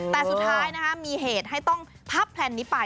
แต่สุดท้ายมีเหตุให้ต้องพับแพลนนี้ไป